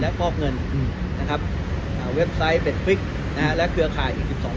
และฟอกเงินอืมนะครับอ่าเว็บไซต์และเครือข่ายอีกสิบสอง